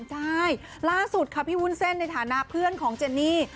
ใช่ล่าสุดค่ะพี่วุ้นเส้นในฐานะเพื่อนของเจนนี่